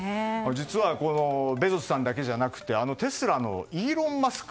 実はベゾスさんだけじゃなくテスラのイーロン・マスク